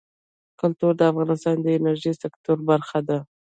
کلتور د افغانستان د انرژۍ سکتور برخه ده.